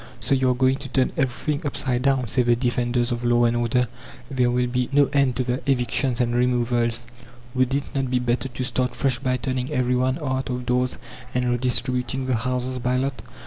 "So you are going to turn everything upside down," say the defenders of law and order. "There will be no end to the evictions and removals. Would it not be better to start fresh by turning everybody out of doors and redistributing the houses by lot?"